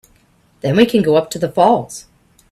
Then we can go up to the falls.